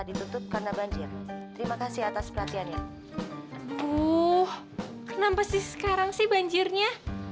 ditutup karena banjir terima kasih atas perhatiannya kenapa sih sekarang sih banjirnya